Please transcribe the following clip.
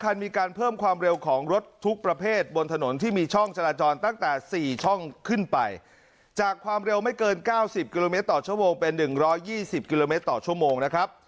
๙๐กิโลเมตรต่อชั่วโมงเป็น๑๒๐กิโลเมตรต่อชั่วโมงนะครับ